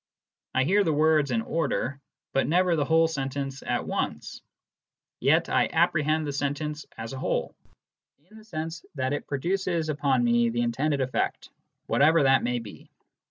I hear the words in order, but never the whole sentence at once ; yet I apprehend the sentence as a whole, in the sense that it produces upon me the intended effect, whatever that may be.